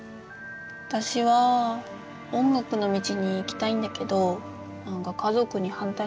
私は音楽の道に行きたいんだけど何か家族に反対されちゃってさ。